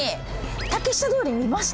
竹下通り見ました？